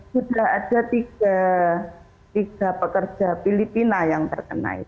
sudah ada tiga pekerja filipina yang terkena itu